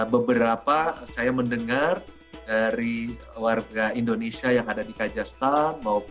beberapa saya mendengar dari warga indonesia yang ada di kajastan